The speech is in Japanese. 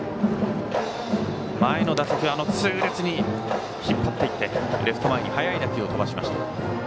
前の打席は痛烈に引っ張ってレフト前に速い打球を飛ばしました。